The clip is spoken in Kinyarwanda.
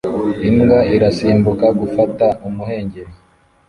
Imbwa irasimbuka gufata y'umuhengeri